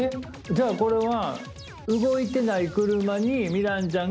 じゃあこれは。